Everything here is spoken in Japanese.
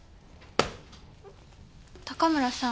高村さん。